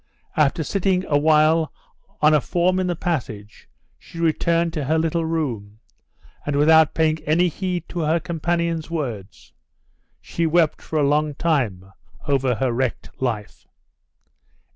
After sitting a while on a form in the passage she returned to her little room, and without paying any heed to her companion's words, she wept for a long time over her wrecked life.